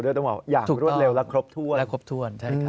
อย่างรวดเร็วและครบถ้วน